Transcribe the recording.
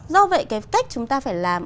do vậy cái cách chúng ta phải làm